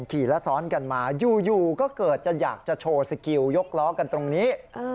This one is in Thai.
ขี่และซ้อนกันมาอยู่ก็เกิดจะอยากจะโชว์สกิลยกล้อกันตรงนี้